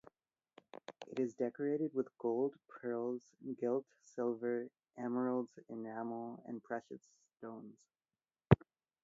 It is decorated with gold, pearls, gilt silver, emeralds, enamel and precious stones.